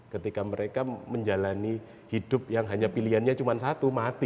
ketika mereka menjalani hidup yang hanya pilihannya cuma satu mati